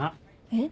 えっ？